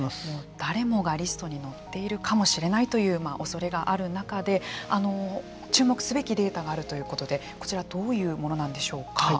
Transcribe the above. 誰もがリストに載っているかもしれないというおそれがある中で注目すべきデータがあるということでこちらはどういうものなんでしょうか。